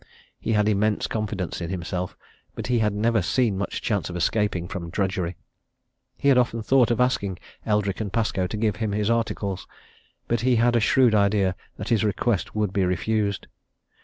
He had immense confidence in himself, but he had never seen much chance of escaping from drudgery. He had often thought of asking Eldrick & Pascoe to give him his articles but he had a shrewd idea that his request would be refused.